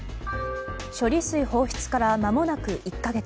処理水放出からまもなく１か月。